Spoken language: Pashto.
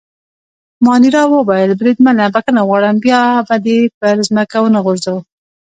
مانیرا وویل: بریدمنه بخښنه غواړم، بیا به دي پر مځکه ونه غورځوو.